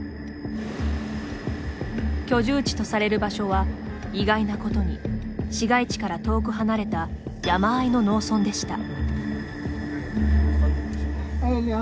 居住地とされる場所は意外なことに市街地から遠く離れた山あいの農村でした。